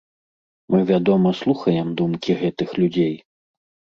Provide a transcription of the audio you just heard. Мы, вядома, слухаем думкі гэтых людзей.